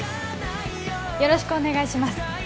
よろしくお願いします